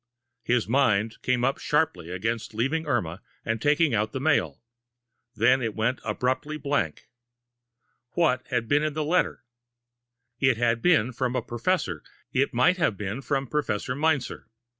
His mind came up sharply against leaving Irma and taking out the mail; then it went abruptly blank. What had been in the letter? It had been from a professor it might have been from Professor Meinzer.